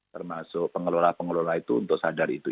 termasuk pengelola pengelola itu untuk sadar itu